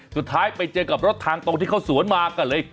สุดท้ายไปเจอกับรถทางตรงที่เขาสวนมาก็เลย